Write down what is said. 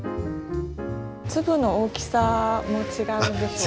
粒の大きさも違うんでしょうか？